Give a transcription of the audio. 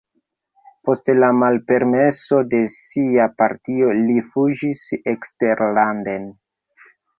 Post la malpermeso de sia partio li fuĝis eksterlanden.